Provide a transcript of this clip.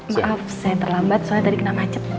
maaf saya terlambat soalnya tadi kena macet